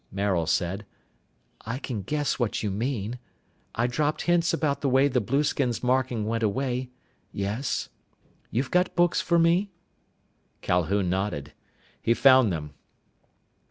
Maril said, "I can guess what you mean. I dropped hints about the way the blueskin markings went away, yes. You've got books for me?" Calhoun nodded. He found them.